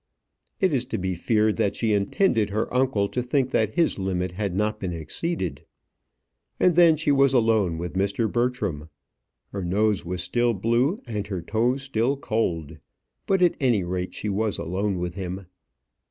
It is to be feared that she intended her uncle to think that his limit had not been exceeded. And then she was alone with Mr. Bertram. Her nose was still blue, and her toes still cold; but at any rate she was alone with him.